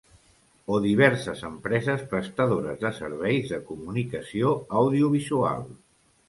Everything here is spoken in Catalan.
O diverses empreses prestadores de serveis de comunicació audiovisual.